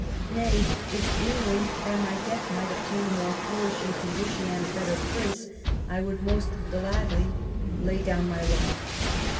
Nay, if England by my death might obtain a more flourishing condition, and a better Prince, I would most gladly lay down my life.